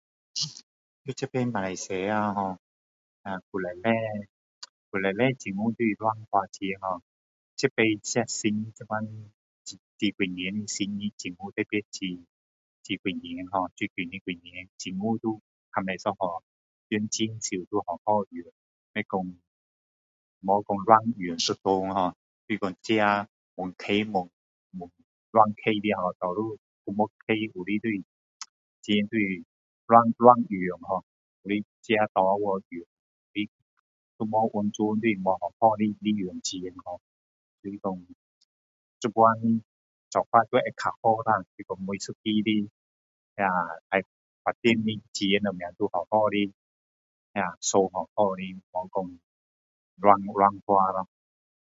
在这边马来西亚[har]，旧时代，旧时代的政府就是花钱[har]。这次，这新现在这几年新政府，特别是这几年，就几年几年政府就较不一样。用钱的时候都会好好用，没讲没说乱用一通[har]。就是讲自己随便花乱花的[har]，多数有没花，有的就是,钱就是乱，乱用[har]，都是自己拿去用，都没有完全都是没好好的利用钱咯。就是讲，现在做法还会较好啦，就是讲每一笔的要发展的钱什么都会好好地算好好的，没讲乱，乱花咯